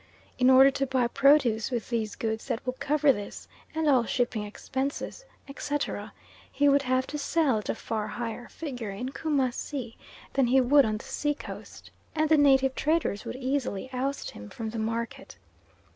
In order to buy produce with these goods that will cover this, and all shipping expenses, etc., he would have to sell at a far higher figure in Coomassie than he would on the sea coast, and the native traders would easily oust him from the market.